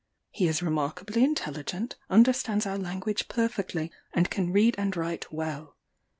He is remarkably intelligent, understands our language perfectly, and can read and write well.